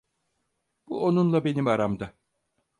Bu onunla benim aramda.